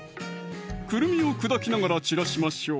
くるみを砕きながら散らしましょう